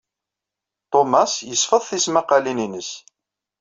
Ṭumas yesfeḍ tismaqalin-ines.